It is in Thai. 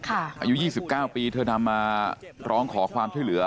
อายุ๒๙ปีเธอนำมาร้องขอความช่วยเหลือ